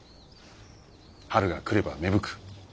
春が来れば芽吹く。